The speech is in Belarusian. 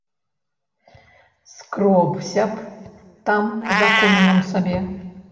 Скробся б там за комінам сабе.